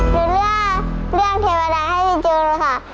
หนูเลือกเรื่องเทวดาให้พี่จูนค่ะ